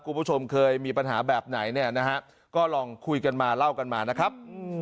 คุณผู้ชมเคยมีปัญหาแบบไหนเนี่ยนะฮะก็ลองคุยกันมาเล่ากันมานะครับ